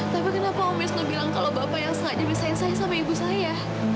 tapi kenapa om wisnu bilang kalau bapak yang tak dibisain saya sama ibu saya